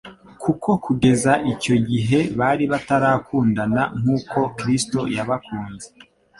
kuko kugeza icyo gihe bari batarakundana nk'uko Kristo yabakunze.